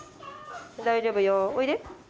大丈夫よおいで。